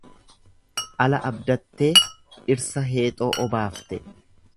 Ala abdattee dhirsa heexoo obaafte.